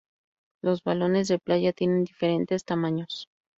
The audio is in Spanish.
Los balones de playa tienen diferentes tamaños.